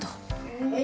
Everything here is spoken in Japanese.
お！